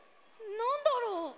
なんだろう？